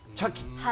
はい。